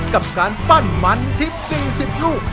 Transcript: กับการปั้นมันทิศ๔๐ลูก